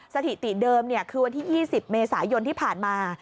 สถิติเดิมคือวันที่๒๐เมษายนที่ผ่านมา